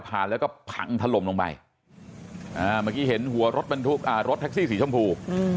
ผ่านแล้วก็พังทะลมลงไปเห็นหัวรถบรรทุกรถแท็กซี่สีชมพู